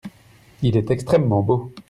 Il est extrêmement beau.